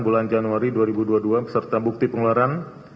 bulan januari dua ribu dua puluh dua serta bukti pengeluaran